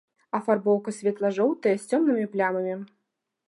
Афарбоўка светла-жоўтая з цёмнымі плямамі.